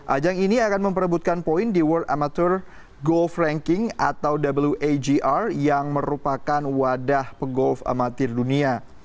ajang ini akan memperebutkan poin di world amatur golf ranking atau wagr yang merupakan wadah pegolf amatir dunia